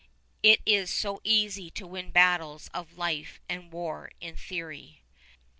It is so easy to win battles of life and war in theory.